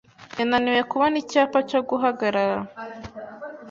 Yananiwe kubona icyapa cyo guhagarara